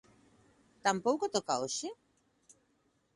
¿Tampouco toca hoxe?